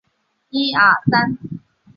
她想多照顾她